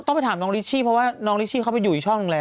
ในข่าวว่าลิชชี่ก็ต้องรับมาให้ต่อสิจ๊ะ